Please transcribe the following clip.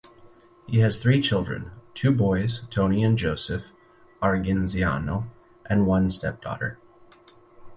He has three children: two boys, Tony and Joseph Argenziano, and one step daughter.